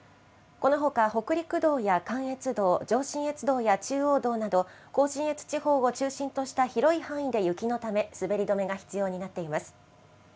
このほか北陸道や関越道、上信越道や中央道など、甲信越地方を中心とした広い範囲で雪のため、滑り止めが必要になっています。